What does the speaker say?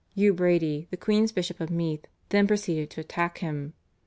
Hugh Brady, the queen's Bishop of Meath, then proceeded to attack him.